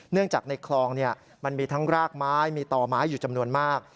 จากในคลองมันมีทั้งรากไม้มีต่อไม้อยู่จำนวนมาก